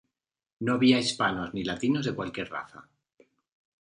No había hispanos ni latinos de cualquier raza.